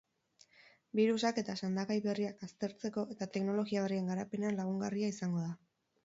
Birusak eta sendagai berriak aztertzeko eta teknologia berrien garapenean lagungarria izango da.